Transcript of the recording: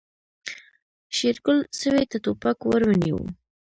شېرګل سوی ته ټوپک ور ونيو.